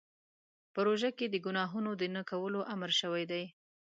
په روژه کې د ګناهونو د نه کولو امر شوی دی.